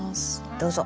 どうぞ。